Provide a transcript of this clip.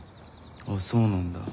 あっそうなんだ。